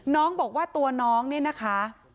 น้องบอกว่าตัวน้องเนี่ยนะคะ